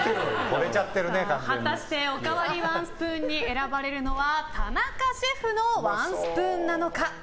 果たしておかわりワンスプーンに選ばれるのは田中シェフのワンスプーンなのか。